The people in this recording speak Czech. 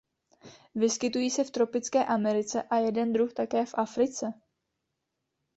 Vyskytují se v tropické Americe a jeden druh také v Africe.